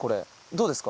どうですか？